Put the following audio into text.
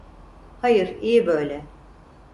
Hayır, iyi böyle.